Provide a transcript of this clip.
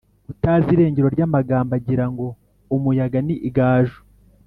Utazi irengero ry’amagambo agirango umuyaga ni igaju